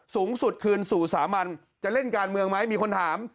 สุขสตรูสามันจะเล่นการเมืองไหมมีคนถาม